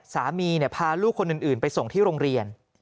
พาลูกคนอื่นไปส่งที่โรงเรียน